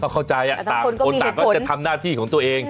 เข้าใจต่างคนต่างก็จะทำหน้าที่ของตัวเอง